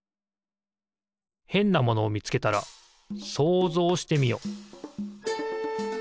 へんなものをみつけたら想像してみよ。